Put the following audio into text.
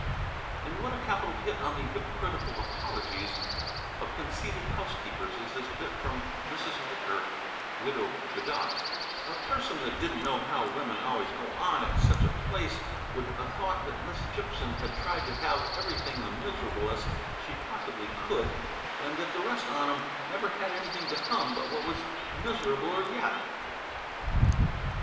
'" And what a capital hit on the hypocritical apologies of conceited housekeepers is this bit from Mrs. Whicher ("Widow Bedott"): "A person that didn't know how wimmin always go on at such a place would a thought that Miss Gipson had tried to have everything the miserablest she possibly could, and that the rest on 'em never had anything to hum but what was miserabler yet."